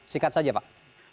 singkat saja pak